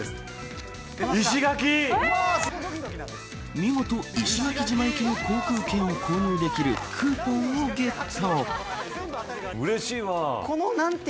見事、石垣島行きの航空券を購入できるクーポンをゲット。